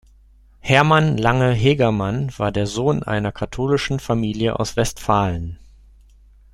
Hermann Lange-Hegermann war der Sohn einer katholischen Familie aus Westfalen.